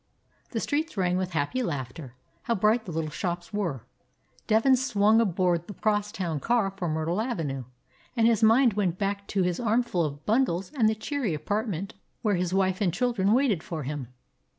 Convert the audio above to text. The streets rang with happy laughter. How bright the little shops were! Devin swung aboard the cross town car for Myrtle Avenue, and his mind went back to his arm ful of bundles and the cheery apartment where his wife and children waited for him.